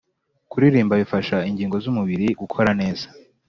kuririmba bifasha ingigo zumubiri gukora neza